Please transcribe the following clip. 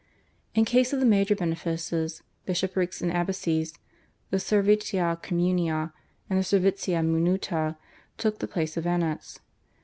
In case of the major benefices, bishoprics and abbacies, the /servitia communia/ and the /servitia minuta/ took the place of annats.